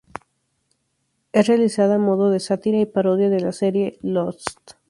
Es realizada a modo de sátira, y parodia a la serie Lost.